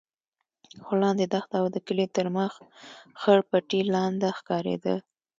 خو لاندې دښته او د کلي تر مخ خړ پټي لانده ښکارېدل.